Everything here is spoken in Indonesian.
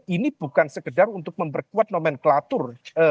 ini bukan sekedar untuk memperkuat nomenklatur